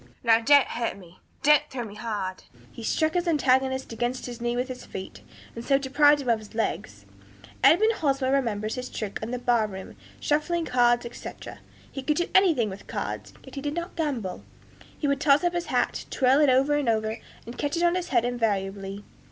'Now, don't hurt me, don't throw me hard.' He struck his antagonist inside his knees with his feet, and so deprived him of his legs. Edmund Hosmer remembers his tricks in the bar room, shuffling cards, etc.; he could do anything with cards, yet he did not gamble. He would toss up his hat, twirling it over and over, and catch it on his head invariably.